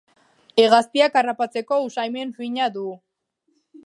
Hegaztiak harrapatzeko usaimen fina du.